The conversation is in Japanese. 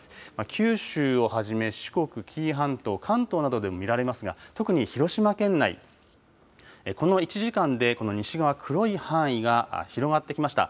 九州をはじめ、四国、紀伊半島、関東などでも見られますが、特に広島県内、この１時間でこの西側、黒い範囲が広がってきました。